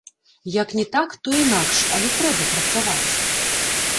Як не так, то інакш, але трэба працаваць.